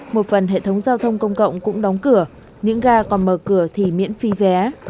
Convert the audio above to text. một phần hệ thống giao thông công cộng cũng đóng cửa những ga còn mở cửa thì miễn phí vé